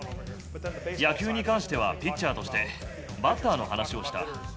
野球に関してはピッチャーとして、バッターの話をした。